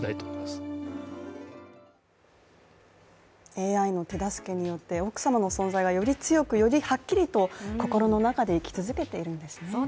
ＡＩの手助けによって奥様の存在がより強く、よりはっきりと心の中で生き続けているんですね。